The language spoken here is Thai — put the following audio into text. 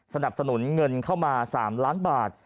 สนับสนุนเงินเข้ามา๓ล้านบาท